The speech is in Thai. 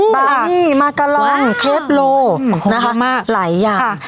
บานี่มากาลังเทปโลหลายอย่าง